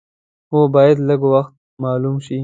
هو باید لږ وخته معلوم شي.